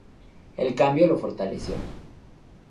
El cambió lo fortaleció.